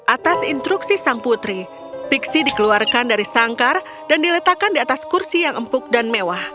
atas instruksi sang putri pixi dikeluarkan dari sangkar dan diletakkan di atas kursi yang empuk dan mewah